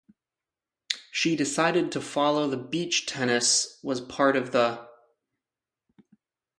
She decided to follow the Beach tennis was part of the.